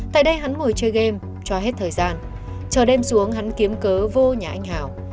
tại đây hắn ngồi chơi game cho hết thời gian chờ đem xuống hắn kiếm cớ vô nhà anh hào